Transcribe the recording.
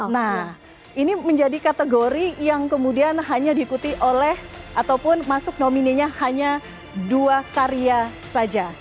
nah ini menjadi kategori yang kemudian hanya diikuti oleh ataupun masuk nominenya hanya dua karya saja